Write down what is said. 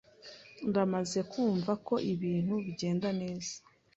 Ndamaze kumva ko ibintu bigenda neza .